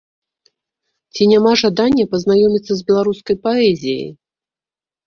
Ці няма жадання пазнаёміцца з беларускай паэзіяй?